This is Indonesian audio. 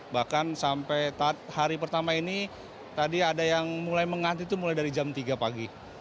bahkan sampai hari pertama ini tadi ada yang mulai menganti itu mulai dari jam tiga pagi